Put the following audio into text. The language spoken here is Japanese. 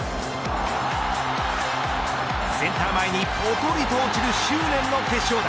センター前にぽとりと落ちる執念の決勝打。